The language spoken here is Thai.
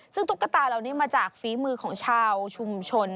ซึ่งตุ๊กตาเหล่านี้มาจากฝีมือของชาวชุมชน